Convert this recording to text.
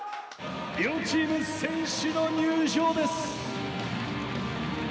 「両チーム選手の入場です！」。